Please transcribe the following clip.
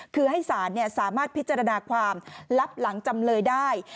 คือให้สารสามารถพิจารณาความลับหลังจำเลยได้